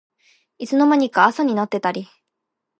いつの間にか朝になってたり